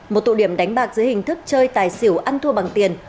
một tụ điểm đánh bạc dưới hình thức chơi tài xỉu ăn thua bằng tiền